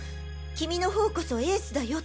君の方こそエースだよ！